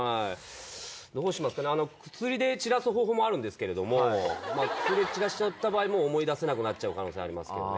どうしますか、薬で散らす方法もあるんですけれども、薬で散らしちゃった場合、思い出せない可能性ありますからね。